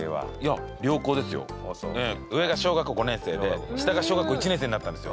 上が小学校５年生で下が小学校１年生になったんですよ。